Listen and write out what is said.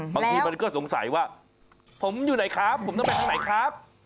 บางทีมันก็สงสัยว่าผมอยู่ไหนครับผมต้องไปทางไหนครับ